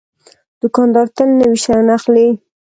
دوکاندار تل نوي شیان اخلي.